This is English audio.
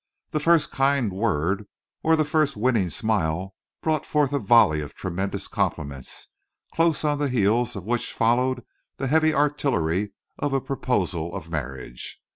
The first kind word or the first winning smile brought forth a volley of tremendous compliments, close on the heels of which followed the heavy artillery of a proposal of marriage.